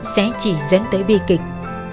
sẽ chỉ dẫn tới bi kịch